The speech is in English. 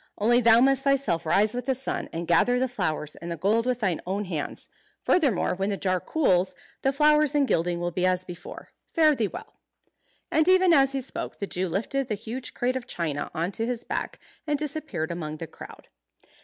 Only thou must thyself rise with the sun, and gather the flowers and the gold with thine own hands. Furthermore, when the jar cools, the flowers and gilding will be as before. Fare thee well." And even as he spoke the Jew lifted the huge crate of china on to his back, and disappeared among the crowd.